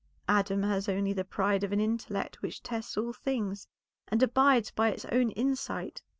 Adam has only the pride of an intellect which tests all things, and abides by its own insight.